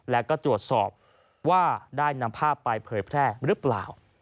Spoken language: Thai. แล้วก็ตรวจสอบว่าได้นำภาพไปเผยแพร่หรือเปล่า